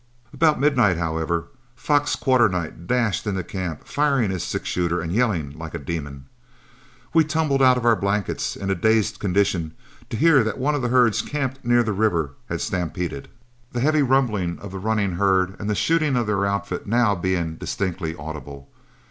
About midnight, however, Fox Quarternight dashed into camp, firing his six shooter and yelling like a demon. We tumbled out of our blankets in a dazed condition to hear that one of the herds camped near the river had stampeded, the heavy rumbling of the running herd and the shooting of their outfit now being distinctly audible.